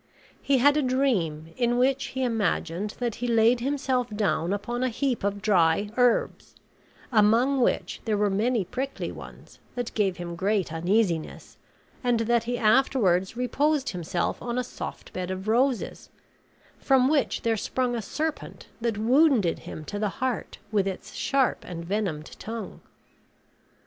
He had a dream in which he imagined that he laid himself down upon a heap of dry herbs, among which there were many prickly ones that gave him great uneasiness, and that he afterwards reposed himself on a soft bed of roses from which there sprung a serpent that wounded him to the heart with its sharp and venomed tongue.